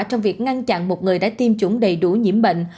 trong việc ngăn chặn một người đã tiêm chủng đầy đủ nhiễm bệnh